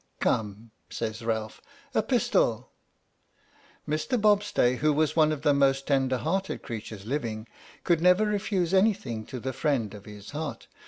" Come," says Ralph, " a pistol!" Mr. Bobstay, who was one of the most tender hearted creatures living, could never refuse anything to the friend of his heart.